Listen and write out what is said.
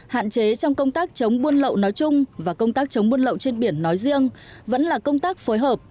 hạn chế trong công tác chống buôn lậu nói chung và công tác chống buôn lậu trên biển nói riêng vẫn là công tác phối hợp